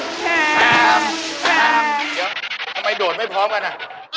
เดี๋ยวทำไมโดดไม่พร้อมกันอ่ะ